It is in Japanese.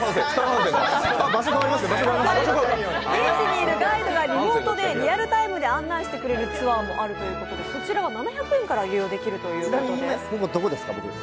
現地にいるガイドがリアルタイムで案内してくれるツアーもあるということで、こちらは７００円から利用できるということです。